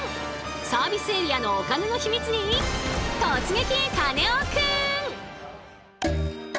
サービスエリアのお金のヒミツに突撃！